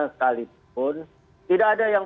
sekalipun tidak ada yang